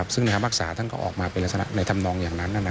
ซึ่งอากษาออกมาเป็นละสาละในธรรมดองอย่างนั้น